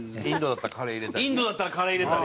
インドだったらカレー入れたり？